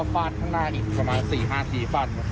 ฝาดข้างหน้าอีก๔๕นาที